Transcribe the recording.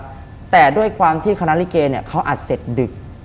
เพราะว่าในความที่คณะลิเกเนี่ยเค้าอาจเสร็จดึก